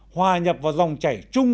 hòa nhập vào dòng chảy chung